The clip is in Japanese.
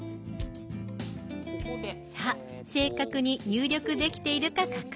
さあ正確に入力できているか確認。